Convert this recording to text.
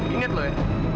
ingat lu ya